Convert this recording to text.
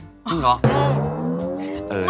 จริงเหรอ